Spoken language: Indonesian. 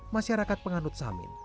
masyarakat penganut samin